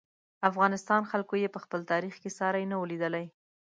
افغانستان خلکو یې په خپل تاریخ کې ساری نه و لیدلی.